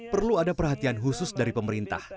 perlu ada perhatian khusus dari pemerintah